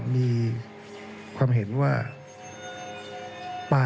มีความรู้สึกว่า